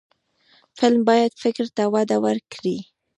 فلم باید فکر ته وده ورکړي